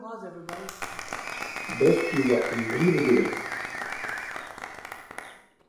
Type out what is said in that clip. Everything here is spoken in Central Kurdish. دەستی بە عومری بگرێ